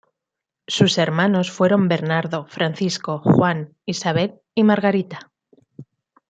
Sus hermanos fueron Bernardo, Francisco, Juan, Isabel y Margarita.